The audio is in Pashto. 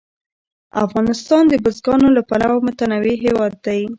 افغانستان د بزګانو له پلوه متنوع هېواد دی.